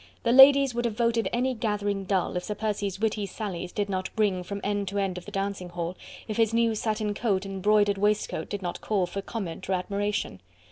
The ladies would have voted any gathering dull if Sir Percy's witty sallies did not ring from end to end of the dancing hall, if his new satin coat and 'broidered waistcoat did not call for comment or admiration.